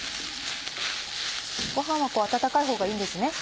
ご飯は温かいほうがいいんですね？